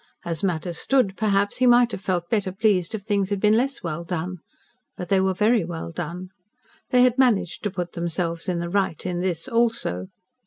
As matters stood, perhaps, he might have felt better pleased if things had been less well done. But they were very well done. They had managed to put themselves in the right in this also.